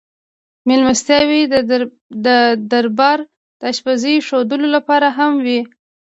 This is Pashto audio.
مېلمستیاوې د دربار د اشپزۍ ښودلو لپاره هم وې.